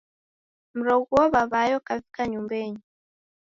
Mroghuo w'aw'ayo kavika nyumbeni.